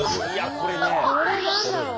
これ何だろう？